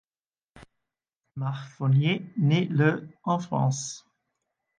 Marc Fournier naît le en France.